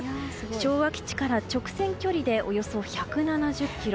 昭和基地から直線距離でおよそ１７０ｋｍ。